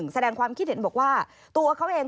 แสดงความคิดเห็นบอกว่าตัวเขาเอง